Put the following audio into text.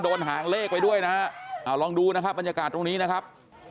หางเลขไปด้วยนะฮะเอาลองดูนะครับบรรยากาศตรงนี้นะครับ